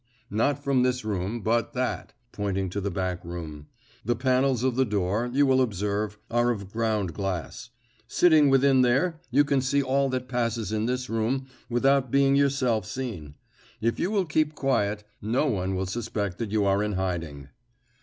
Not from this room, but that" pointing to the back room. "The panels of the door, you will observe, are of ground glass. Sitting within there, you can see all that passes in this room without being yourself seen. If you will keep quiet, no one will suspect that you are in hiding."